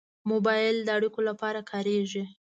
موبایل د اړیکو لپاره کارېږي.